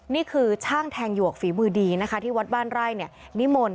นี่คือช่างแทงหยวกฝีมือดีนะคะที่วัดบ้านไร่นิมนต์